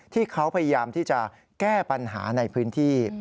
ที่เขาพยายามที่จะแก้ปัญหาในพื้นที่